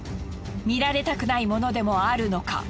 見られたくないものでもあるのか？